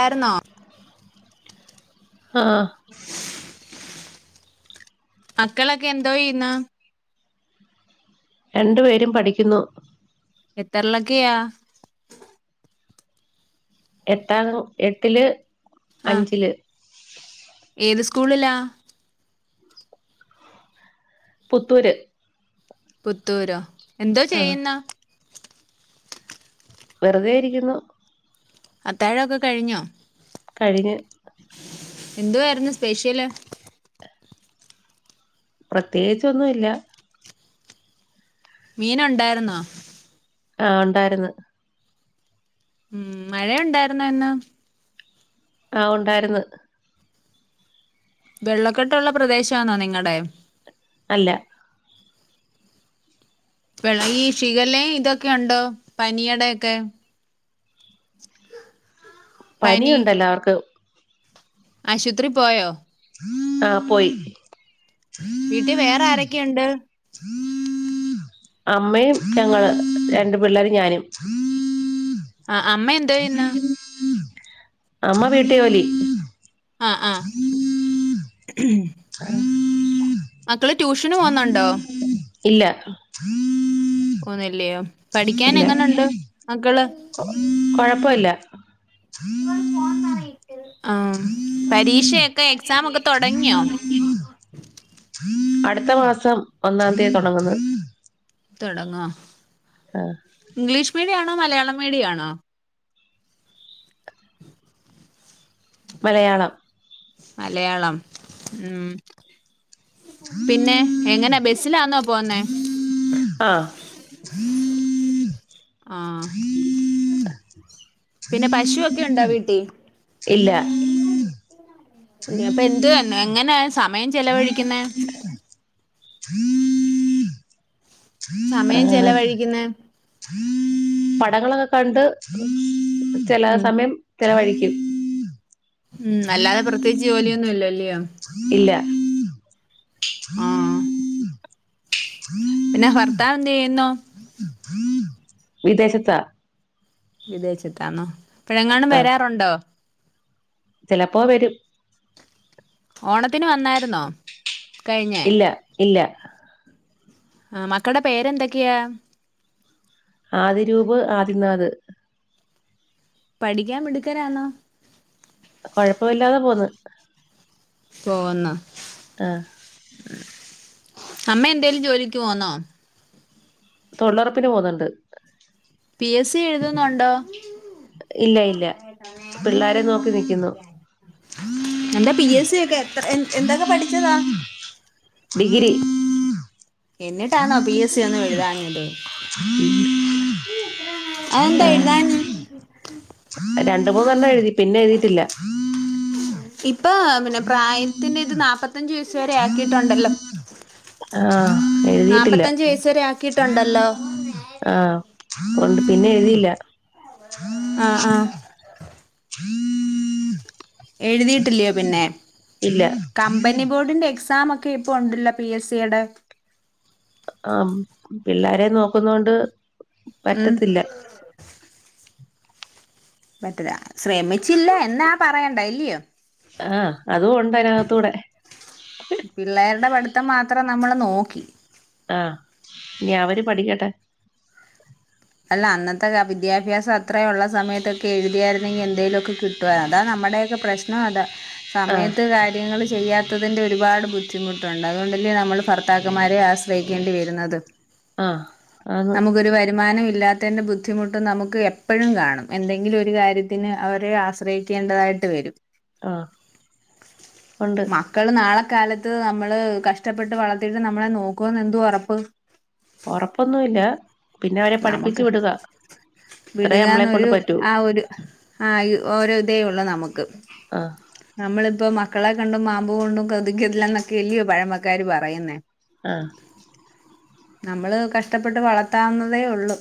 ആർന്നോ ഹാ മക്കളൊക്കെ എന്തോയിന്ന് രണ്ടു പേരും പഠിക്കുന്നു. എത്രെലൊക്കെയാ എട്ടാം ക്ല എട്ടില് ആ അഞ്ചില്. ഏത് സ്കൂളിലാ പുത്തൂര് പുത്തൂരൊ എന്തോ ആഹ് ചെയ്യുന്ന്? വെറുതേ യിരിക്കുന്നു. അത്താഴൊക്കെ കഴിഞ്ഞോ? കഴിഞ്ഞ്. എന്തുവായിരുന്നു സ്പെഷ്യല്? പ്രത്യേകിച്ചൊന്നുല്ല മീന്ണ്ടായിരുന്നോ? ആണ്ടായിര്ന്ന് ഉം മഴണ്ടായിരുന്നൊന്ന്? ആ ഉണ്ടായിര്ന്ന്. വെള്ളക്കെട്ടുള്ള പ്രദേശാന്നോ നിങ്ങടെ? അല്ല വെള്ളയീ ഷീഗല്ലെയിം ഇതൊണ്ടൊക്കെ പണിയെടുക്ക പനിയുണ്ടെല്ലാർക്ക്. ആശുത്രി പോയോ? ആ പോയി. വീട്ടിൽ വേറാരൊക്കെയുണ്ട്? അമ്മേം ഞങ്ങള് രണ്ടു പിള്ളേരും ഞാനും ആ അമ്മേ എന്തേയിന്ന്? അമ്മ വീട്ട് ജോലി ഉ മക്കള് ട്യൂഷന് പോന്കുന്നുണ്ടോ ഇല്ല ഒന്നല്ലയോ പഠിക്കാൻ ഇല്ല എങ്ങനുണ്ട് മക്കള് കൊഴപ്പമില്ല ആ പരീക്ഷയൊക്കെ ക്സാമൊക്കെ തുടങ്ങിയോ അടുത്ത മാസം ഒന്നാം തീയതി തുടങ്ങുന്നത് തുടങ്ങുവാ ആഹ് ഇംഗ്ലീഷ് മീഡിയം ആണോ മലയാളം മീഡിയം ആണോ മലയാളം മലയാളം ഉം പിന്നെ എങ്ങനെ ബസ്സിലാന്നോ പോന്നെ ആ ഉ ആ പിന്നെ പശുയൊക്കെ ഉണ്ടോ വീട്ടിൽ ഇല്ല അല്ല അപ്പൊ എന്തുവോ എങ്ങനാ സമയം ചെലവഴിക്കുന്നെ സമയം ആഹ് ചെലവഴിക്കുന്ന പടങ്ങളൊക്കെ കണ്ട് ചില ഉം സമയം ചിലവഴിക്കും ഉം അല്ലാതെ പ്രത്യേകിച്ച് ജോലിയൊന്നുമില്ലല്ലോ ഇല്ല ആഹ പിന്നെ ഭർത്താവ് എന്ത് ചെയ്യുന്നു വിദേശത്താ വിദേശത്താന്നോ ഇപഴെങ്ങാനും ആ വരാറുണ്ടോ ചിലപ്പോ വരും ഓണത്തിന് വന്നായിരുന്നോ കഴിഞ്ഞേ ഇല്ല ഇല്ല ആ മക്കടെ പേരെന്തൊക്കെയാ ആദിരൂപ് ആദിനാഥ് പഠിക്കാൻ മിടുക്കരാണോ കൊഴപ്പമില്ലാതെ പോണ് പോന്ന ഉ അമ്മ എന്തേലും ജോലിക്ക് പോന്നോ തൊഴിലുറപ്പിന് പോന്നുണ്ട് പി എസ് സി എഴുതുന്നുണ്ടോ ഇല്ല ഇല്ല [unintelligible] നേരെ പിള്ളാരെ നോക്കി ഫോണോന്ന് നിക്കുന്നു വിളിക്കാൻ എന്റെ പി എസ് സി ഒക്കെ എത്ര എ എന്തൊക്കെ പഠിച്ചതാ ഡിഗ്രി എന്നിട്ടാണോ പി എസ് സി ഒന്നും എഴുതാഞ്ഞത് ആ അതെന്താ എഴുതാന്ന് രണ്ട് മൂന്ന് എണ്ണം എഴുതി പിന്നെ എഴുതിട്ടില്ല ഇപ്പൊ പിന്നെ പ്രായത്തിന്റെ ഇത് നാല്പത്തഞ്ചു വയസ്സ് വരെ ആക്കിയിട്ടുണ്ടല്ലോ എഴുതിട്ടില്ല നാപ്പത്തഞ്ച് വയസ്സ് വരെ ആക്കിയിട്ടുണ്ടല്ലോ അ ആ കൊണ്ട് പിന്നെ എഴുതില്ല ആആ [unintelligible] എഴുതിയിട്ടില്ലയോ പിന്നെ ഇല്ല കമ്പനി ബോർഡിന്റെ എക് എക്സാം ഒക്കെ ഇപ്പൊ ഉണ്ടെല്ലോ പി എസ് സിയുടെ അ മ് പിള്ളാരെ നോക്കുന്നോണ്ട് ഉം പറ്റത്തില്ല പറ്റില്ല ശ്രമിച്ചില്ല എന്നാ പറയണ്ടെ ഇല്ല്യോ ആഅതും ഉണ്ട് അതിനകത്തൂടെ എത്ര നമ്മൾ നോക്കി ആ ഇനി അവര് പഠിക്കട്ടെ അല്ല അന്നത്തെ വിദ്യാഭ്യസം അത്രയുള്ള സമയത്തൊക്കെ എഴുതിയാരുന്നെങ്കിൽ എന്തേലുമോക്കെ കിട്ടു അതാ നമ്മ മടയൊക്കെ പ്രശ്നം അതാ ആ സമയത്ത് കാര്യങ്ങൾ ചെയ്യാത്തതിന്റെ ഒരുപാട് ബുദ്ധിമുട്ടുണ്ട് അതുകൊണ്ടല്ലേ നമ്മള് ഭർത്താക്കന്മാരെ ആശ്രയിക്കേണ്ടി വരുന്നത് ആ ആന്ന് നമുക്കൊരു വരുമാനം ഇല്ലാത്തന്റെ ബുദ്ധിമുട്ടും നമുക്ക് എപ്പോഴും കാണും എന്തെങ്കിലും ഒരു കാര്യത്തിന് അവരെ ആശ്രയിക്കേണ്ടതായിട്ട് വരും ആ ഉണ്ട് മക്കള് നാളെ കാലത്ത് നമ്മള് കഷ്ടപ്പെട്ട് വളർത്തിയിട്ട് നമ്മളെ നോക്കുവന്ന് എന്തു ഉറപ്പ് ഉറപ്പൊന്നുവില്ല പഠിപ്പിച്ചു വിടുക അത്രേ നമ്മളെ കൊണ്ട് വിടുകന്നൊരു പറ്റൂ അ ഒരു അ ഓരോ ഇതേ ഉള്ളു നമുക്ക് ആഹ് നമ്മളിപ്പോ മക്കളെ കണ്ടും മാമ്പൂ കണ്ടും കൊതിക്കല്ലുന്നൊക്കെയാല്ലോ പഴമക്കാര് പറയുന്നേ അ നമ്മള് കഷ്ടപ്പെട്ട് വളർത്താവുന്നതേ ഉള്ളൂ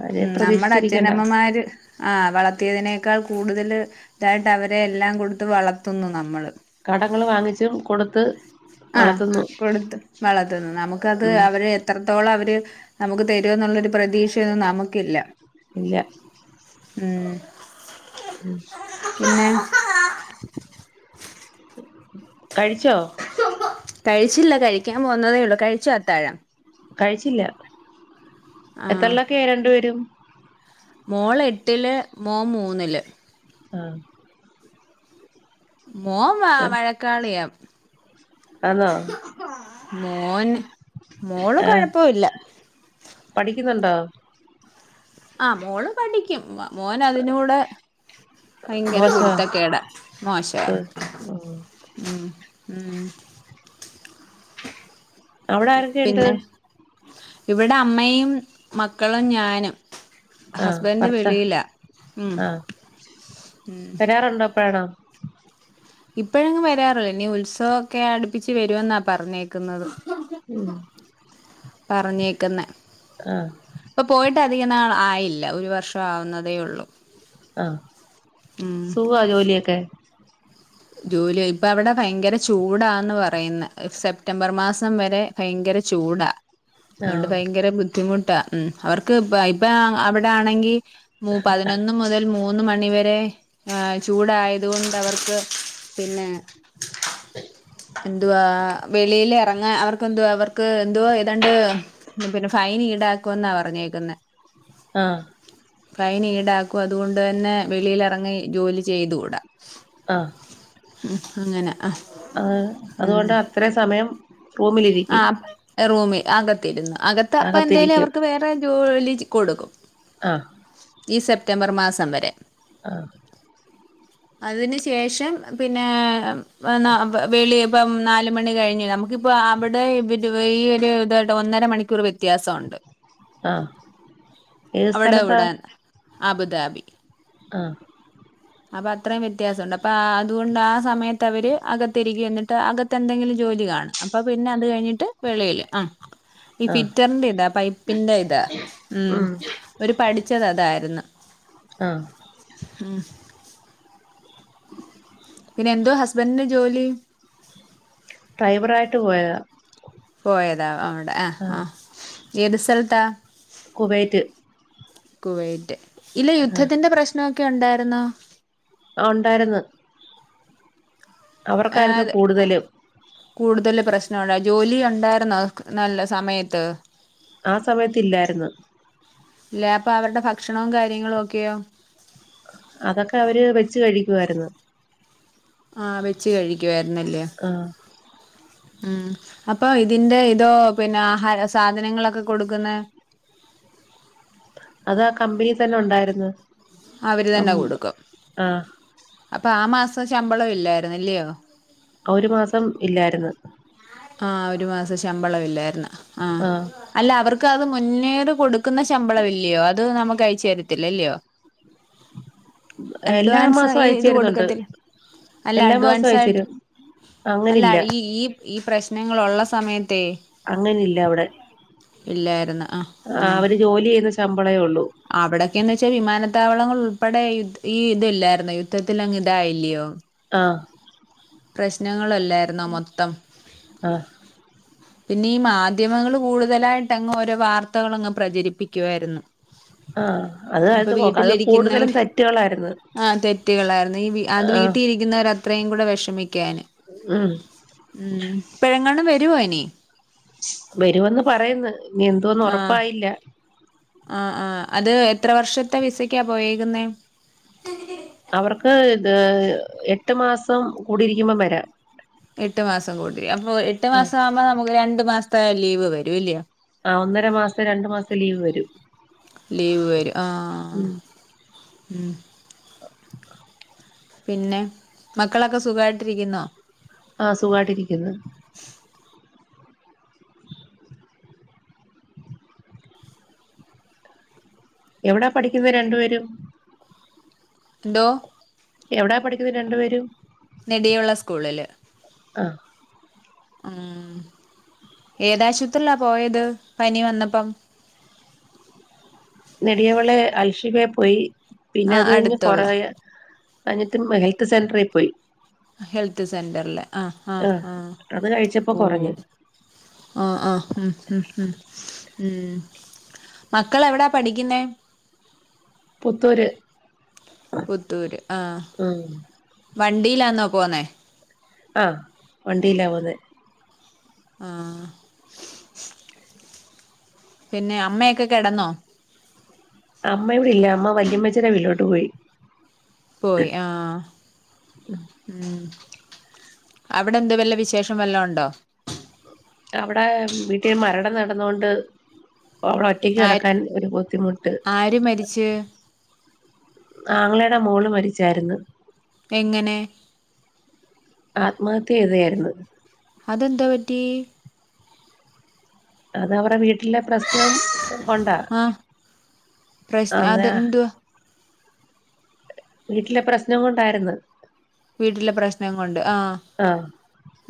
അവരെ ഉമ് നമ്മുടെ പ്രതീക്ഷിച്ചിരിക്കണ്ട അച്ഛനമ്മമാര് ആ വളർത്തിയതിനേക്കാൾ കൂടുതൽ ഇതായിട്ട് അവരെ എല്ലാം കൊടുത്ത് വളർത്തുന്നു നമ്മൾ കടങ്ങള് വാങ്ങിച്ചും കൊടുത്ത് അ വളർത്തുന്നു കൊടുത്തും വളർത്തുന്നു നമുക്കത് ഉം അവര് എത്ര ഇത്രത്തോളം അവര് നമുക്ക് തരുവേന്നുള്ള ഒരു പ്രതീക്ഷയൊന്നും നമുക്കില്ല ഇല്ല ഉമ് ഉം പിന്നെ കഴിച്ചോ കഴിച്ചില്ല കഴിക്കാൻ പോന്നതേ ഉള്ളൂ കഴിചോ അത്താഴം കഴിച്ചില്ല ആഹ് എത്രല്ലൊക്കെയാ രണ്ടുപേരും മോള് എട്ടില് മോന് മൂന്നില് ആഹ്. മോൻ വഴക്കാളിയാ. ആന്നോ? മോൻ മോള് ആഹ് കൊഴപ്പവുല്ല. പഠിക്കുന്നുണ്ടോ? ആഹ് മോള് പഠിക്കും. മോൻ അതിനൂടെ ഭയങ്കര മോശവാ കുരുത്തക്കേടാ മോശാ ഉം ഉം ഉം അവടെ ആരൊക്കെ ഇണ്ട് പിന്നെ ഇവിടെ അമ്മയും മക്കളും ഞാനും. ആഹ് ഹസ്ബൻഡ് ഭർത്ത വെളിയിലാ ഉം ആഹ് വരാറുണ്ടോ? പ്പാണോ ഇപ്പോഴെങ്ങും വരാറില്ല ഇനി ഉത്സവൊക്കെ അടുപ്പിച്ച് വരുമെന്നാ പറഞ്ഞേക്കുന്നത് ഉം പറഞ്ഞേക്കുന്നെ ആഹ് അധിക നാൾ ആയില്ല ഒരു വർഷം ആവുന്നതേ ഒള്ളൂ ആഹ് സുഖാ ജോലിയൊക്കെ ജൂലൈ ഇപ്പ അവിടെ ഭയങ്കര ചൂടാന്ന് പറയുന്നെ സെപ്റ്റംബർ മാസം വരെ ഭയങ്കര ക്കെ ചൂടാ അതുകൊണ്ട് ആഹ് ഭയങ്കര ബുദ്ധിമുട്ടാ ഉ അവർക്ക് ഇ ഇപ്പ അവിടെ ആണെങ്കി മ പതിനൊന്ന് മുതൽ മൂന്ന് മണിവരെ ആ ചൂടായതുകൊണ്ട് അവർക്ക് പിന്നെ എന്തുവാ വെ വളൽ ഇറങ്ങാൻ അവർക്ക് എന് അവർക്ക് എന്തു ഏതാണ്ട് പിന്നെ ഫൈൻ ഈടാക്കും എന്നാ പറഞ്ഞേക്കുന്നത് ണ് ആഹ് ഫൈൻ ഈടാക്കും അതുകൊണ്ട് തന്നെ വെളിയിൽ ഇറങ്ങി ജോലി ചെയ്തുകൂടാ ആഹ് ഉം അങ്ങനെ ആ അഹ് ഉം അതുകൊണ്ട് അത്രയും സമയം ആ റൂമിലിരിക്കും റൂമിൽ അകത്തിരുന്നു അകത്ത് അപ്പൊ എന്തായലും അകത്തിരിക്കും അവർക്ക് വേറെ ജോലി കൊടുക്കും ആഹ് ഈ സെപ്റ്റംബർ മാസം വരെ ആഹ് അതിനു ശേഷം പിന്നെ എന്നാ വെളിയെ ഇപ്പം നാല് മണി കഴിഞ്ഞ് നമുക്കിപ്പോൾ അവിടെ ഇ ഈ ഒരു ഇതായിട്ട ഒന്നര മണിക്കൂർ വരും ത്യാസോണ്ട് ആഹ് ഏത് അവിടെ സ്ഥലത്താ ഇവിടേൻ അബുദാബി ആഹ് അപ്പൊ അത്രേം വ്യത്യാസംണ്ട് അപ്പൊ ആഹ് അതുകൊണ്ട് ആഹ് സമയത്ത് അവര് അകത്തിരിക്ക എന്നിട്ട് അകത്തെ എന്തങ്കിലു ജോ ജോലി കാണും അപ്പൊ പിന്നെ അത് കഴിഞ്ഞിട്ട് വെളിയില് ആഹ് ഈ ആഹ് ഫിറ്ററിന്റെ ഇതാ പൈപ്പിന്റെ ഇതാ ഉം ഒരു പഠിച്ചത് അതായി ര്ന്ന് ആഹ് ഉം പിന്നെ എന്തുഹാ ഹസ്ബൻഡന്റെ ജോലി ഡ്രൈവറായിട്ട് പോയതാ പോയതാ അവ് അവിടെ ആഹ് ആഹ് ഏത് സെൽതാ കുവൈത്ത് കുവൈറ്റ് ഇല്ല യുദ്ധത്തിന്റെ പ്രശ്നമൊക്കെ ഉണ്ടായിരുന്നോ ആ ഉണ്ടായിരുന്നു അവര്ക്കായിരുന്നു കൂടുതലും കൂടുതല് പ്രശ്നംണ്ടയി ജോലി ഉണ്ടായിരുന്ന നല്ല സമയത്ത് ആ സമയത്ത് ഇല്ലായിരുന്നു ഇല്ലെ അപ്പൊ അവരുടെ ഭക്ഷണവും കാര്യങ്ങളും ഒക്കെയോ അതൊക്കെ അവര് വെച്ച കഴിക്കുയിരുന്നു ആ വെച്ച് കഴിക്കുവായിരുന്നല്ലേ ആഹ് ഉം അപ്പൊ ഇതിന്റെ ഇതോ പിന്നെ ആഹാര സാധനങ്ങളൊക്കെ കൊടുക്കുന്ന [inaudible] അത് ആ കമ്പനിൽ തന്നെ ഉണ്ടായിന്ന് അവര് തന്നെ കൊടുക്കും അപ്പൊ ആ മാസം ശമ്പളം ഇല്ലായിരുന്നു ഇല്ലയോ ഒരു മാസം ഇല്ലായിരുന്നു ആ ഒരു മാസം ശമ്പള ഇല്ലായിരുന്നു ആ ആഹ് അല്ല അവർക്ക് അത് മുന്നേറ് കൊടുക്ക കൊടുക്കുന്ന ശമ്പളം ഇല്ലയോ അത് നമുക്ക് അയച്ച് തരത്തില്ലയോ എല്ലാ അഡ്വാൻസ് മാസവും ഈ അയച്ചു ഇത് തരുന്നുണ്ട് കൊടുക്കത്തില്ല അല്ല എല്ലാ മാസവും അഡ്വാൻസ് അയച്ചു ആയിട്ട് തരും അല്ല അങ്ങനില്ല ഈ ഈ ഈ പ്രശ്നങ്ങള്ള സമയത്ത് അങ്ങനെല്ല അവിടെ ഇല്ലായിരുന്നു ആ ആ അവര് ജോലി ചെയ്യുന്ന ശമ്പളേ ഉള്ളൂ അവിടൊക്കെന്ന് വെച്ചാ വിമാനത്തി വിമാനത്താവളങ്ങൾ ഉൾപ്പെടെ യുദ് ഈ ഇതില്ലായിരുന്നു യുദ്ധത്തിൽ അങ്ങ് ഇതായില്ലിയോ ആ പ്രശ്നങ്ങളല്ലായിരുന്നോ മൊത്തം ആഹ് പിന്നെ ഈ മാധ്യമങ്ങൾ കൂടുതലായിട്ട് അങ്ങ് ഓരോ വാർത്തകള് അങ്ങ് പ്രചരിപ്പിക്കുവായിരുന്നു [inaudible] ആ അപ്പൊ അത് പോക്ക അത് കൂടുതലും തെറ്റുകളാരുന്നു ആ തെറ്റുകളായിരുന്നു ഈ അത് വീട്ടീരിക്കുന്നവർ അത്രയും കൂടെ വിഷമ വിഷമിക്കാന് ഉം മം ഇപ്പേഴെങ്ങാനും വരുവോ ഇനി വരുമെന്ന് പറയന്ന് ഇനി എന്തോന്നും ആഹ് ഉറപ്പായില്ല ആഹ് ആഹ് അത് എത്ര വർഷത്തെ വിസക്കാ പോയേക്കുന്നെ അവർക്ക് ഇത് എട്ട് മാസം കൂടിയിരിക്കുമ്പം വരാം എട്ട് മാസം കൂടി അപ്പൊ എട്ടു ആഹ് മാസം ആവുമ്പോ നമുക്ക് രണ്ടു മാസത്തെ ലീവ് വരും അല്ലിയോ ആ ഒന്നര മാസം രണ്ടു മാസം ലീവ് വരും ലീവ് വരും ആ ഉം ആ പിന്നെ മക്കളൊക്കെ സുഖായിട്ടിരിക്കുന്നോ ആ സുഖായിട്ടിരിക്കുന്നു എവിടാ പഠിക്കുന്നത് രണ്ടു പേരും എന്തോ എവിടാ പഠിക്കുന്നത് രണ്ടു പേരും നെടിവിള സ്കൂളില് ആ മം ഏതാശുപത്രില പോയത് പനി വന്നപ്പം നെടിയവിളെ അൽഷിബേ പോയി പിന്നെ ആഹ് അത് കഴിഞ്ഞ് അടുത്തുള്ള കൊറയാ കൊറയാഞ്ഞിട്ടും ഹെൽത്ത് സെന്ററിൽ പോയി ഹെൽത്ത് സെന്ററ്ല്ലേ ആ ആ ആഹ് ആ അത് കഴിച്ചപ്പോ ഓ കുറഞ്ഞ് ആ ആ മം മം ഉമ്മ് മക്കളെവിടാ പഠിക്കുന്നേ പുത്തൂര് പുത്തൂര് ആ ഉം വണ്ടിയിലാന്നോ പോന്നേ അഹ് വണ്ടിയിലാ പൊന്നെ ആഹ് പിന്നെ അമ്മയൊക്കെ കെടന്നോ? അമ്മ ഇവിടെ ഇല്ല അമ്മ വല്യമ്മച്ചീടെ വീട്ടിലോട്ട് പോയി. പോയി ആഹ് ഉം അവിടെ എന്തോ വല്ല വിശേഷം വല്ലോം ഒണ്ടോ അവിടെ വീട്ടീ മരണം നടന്നോണ്ട് ഓളെ ഒറ്റയ്ക്ക് ആര് കെടക്കാൻ ഒരു ബുദ്ധിമുട്ട് ആര് മരിച്ച് ആങ്ങളയുടെ മോള് മരിച്ചാര്ന്ന് എങ്ങനെ ആത്മഹത്യയ്തയായിരുന്നു അതെന്തൊ പറ്റിയേ? അതവടെ വീട് ടിലെ പ്രശ്നം കൊണ്ടാ. ആഹ് പ്രശ് അതാ അതെന്തുവാ വീട്ടിലെ പ്രശ്നം കൊണ്ടാരുന്ന്. വീട്ടിലെ പ്രശ്നം കൊണ്ട് ആഹ്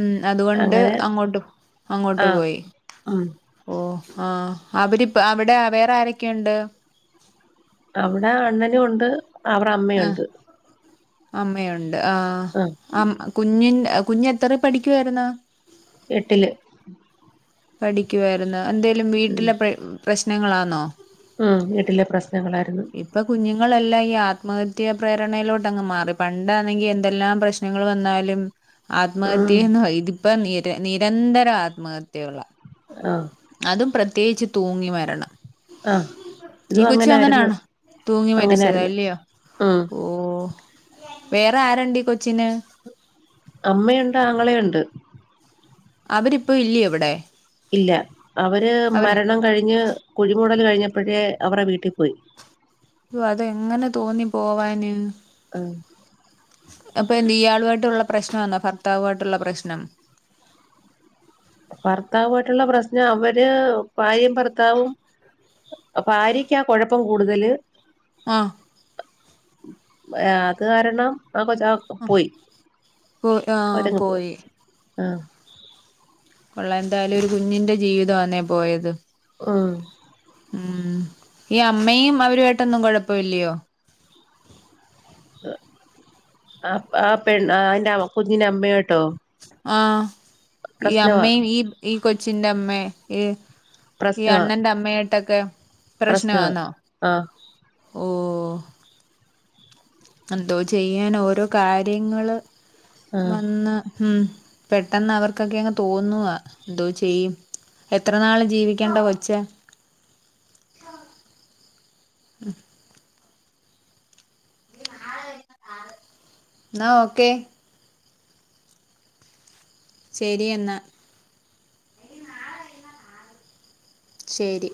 ഉം അതുകൊണ്ട് അങ്ങനെ അങ്ങോട്ട് അങ്ങോട്ട് ആഹ് പോയി. ഉം ഓഹ് ആഹ് അവരിപ്പ അവിടെ വേറെ ആരൊക്കെയൊണ്ട്? അവിടെ അണ്ണനും ഒണ്ട് അവറെ അമ്മേയൊണ്ട്. അമ്മയൊണ്ട്. ആഹ് കുഞ്ഞിൻ കുഞ്ഞ് എത്രയീ പഠിക്കുവാരുന്ന്? എട്ടില്. പഠിക്കുവാരുന്നു. എന്തേലും വീട്ടിലെ പ്ര പ്രശ്നങ്ങളാന്നോ? ആഹ് വീട്ടിലെ പ്രശ്നങ്ങളാരുന്നു. ഇങ്ങളെല്ലാം ഈ ആത്മഹത്യാ പ്രേരണയിലോട്ടങ്ങ് മാറി. പണ്ടാണെങ്കി എന്തെല്ലാം പ്രശ്നങ്ങൾ വന്നാലും ഉം ആത്മഹത്യയേന്നോ ഇതിപ്പോ നിര നിരന്തരം ആത്മഹത്യകളാ. ആഹ് അതും പ്രത്യേകിച്ച് തൂങ്ങി മരണം. ആഹ് ഈ ഇതും കൊച്ചും അങ്ങനായിരുന്നു അങ്ങനാണോ? തൂങ്ങി അങ്ങനായിരുന്നു മരിച്ചതായില്യോ? ഉം ഓഹ് വേറെ ആരൊണ്ടീകൊച്ചിന്? അമ്മയൊണ്ട് ആങ്ങളെയൊണ്ട്. അവരിപ്പോ ഇല്യോ ഇവിടെ? ഇല്ല. അവര് മരണം കഴിഞ്ഞ് കുഴിമുടല് കഴിഞ് ഞപ്പഴേ അവരെ വീട്ടി പോയി. ഓഹ് അതെങ്ങനെ തോന്നി പോവാന്? ഉം അപ്പൊയെന്ത് ഇയാളുമായിട്ടുള്ള പ്രശ്നം ആന്നോ? ഭർത്താവുമായിട്ടുള്ള പ്രശ്നം? ഭർത്താവുമായിട്ടുള്ള പ്രശ്നം അവര് ഭാര്യയും ഭർത്താവും ഭാര്യക്കാ കുഴപ്പം കൂടുതല് ആഹ് ഏ അത് കാരണം ആ കൊച്ച ആഹ് പോയി പോ ആഹ് പോയി ആഹ് ഉള്ള എന്താലും ഒരു കുഞ്ഞിന്റെ ജീവിതആന്നേ പോയത് ആഹ് ഉം ഈ അമ്മയും അവരുമായിട്ടൊന്നും കുഴപ്പഇല്ലയോ ആഹ് ആപെണ് അയ്ൻ്റെ കുഞ്ഞിൻ്റെ അമ്മയിട്ടോ ആ ഈ അമ്മയും ഈ ഈ കൊച്ചിന്റെ അമ്മെ ഈ ഈ പ്രശ്നവാ അണ്ണന്റെ അമ്മയിട്ടൊക്കെ പ്രശ്നവാ പ്രശ്നആന്നോ ആഹ് ഓ ഒ എന്തോ ചെയ്യാനാ ഓരോ കാര്യങ്ങള് ആഹ് വന്ന് ഉം പെട്ടെന്ന് അവർക്കൊക്കെ അങ്ങ് തോന്നുവാ എന്തോ ചെയ്യും എത്ര നാള് ജീവിക്കണ്ട കൊച്ച ഉം ന്നാ ഓക്കെ ശരി എന്നാ ശരി